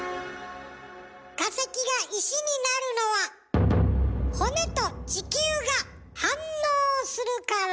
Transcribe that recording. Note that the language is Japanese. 化石が石になるのは骨と地球が反応するから。